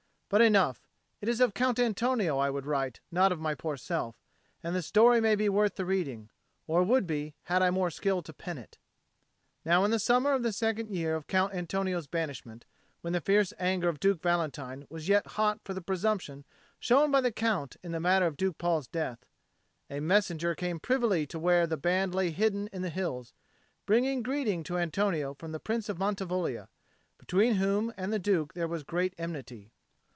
But enough! It is of Count Antonio I would write, and not of my poor self. And the story may be worth the reading or would be, had I more skill to pen it. Now in the summer of the second year of Count Antonio's banishment, when the fierce anger of Duke Valentine was yet hot for the presumption shown by the Count in the matter of Duke Paul's death, a messenger came privily to where the band lay hidden in the hills, bringing greeting to Antonio from the Prince of Mantivoglia, between whom and the Duke there was great enmity.